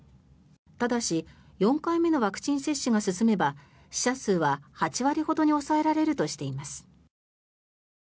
ただし４回目のワクチン接種が進めば死者数は８割ほどに抑えられるとしています。